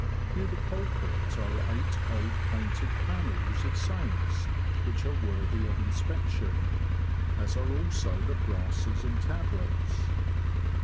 Near the pulpit are eight old painted panels of saints, which are worthy of inspection, as are also the brasses and tablets.